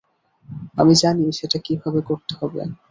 আমি জানি সেটা কীভাবে করতে হবে।